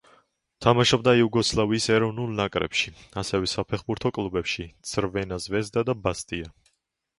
თამაშობდა იუგოსლავიის ეროვნულ ნაკრებში, ასევე საფეხბურთო კლუბებში: „ცრვენა ზვეზდა“ და „ბასტია“.